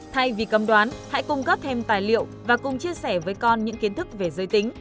thay vì cấm đoán hãy cung cấp thêm tài liệu và cùng chia sẻ với con những kiến thức về giới tính